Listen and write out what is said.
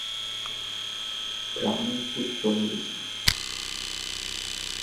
ব্রহ্মার পুত্র মরীচি।